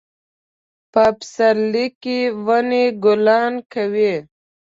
په پسرلي کې ونې ګلان کوي